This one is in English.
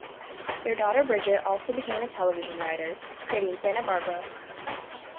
Their daughter Bridget also became a television writer, creating "Santa Barbara".